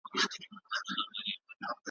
وږی ګرځي خو مغرور لکه پاچا وي ,